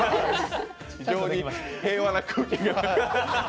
非常に平和な空気が。